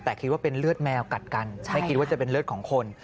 แต่คิดว่าเป็นเลือดแมวกัดกันไม่คิดว่าจะเป็นเลือดของคน